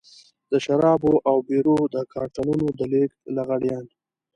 د شرابو او بيرو د کارټنونو د لېږد لغړيان.